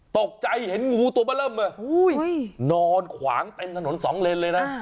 ตกใจเห็นงูตัวมาเริ่มเลยนอนขวางเต็มถนนสองเลนเลยนะ